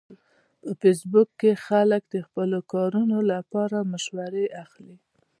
په فېسبوک کې خلک د خپلو کارونو لپاره مشورې اخلي